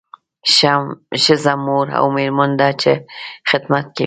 ښځه مور او میرمن ده چې خدمت کوي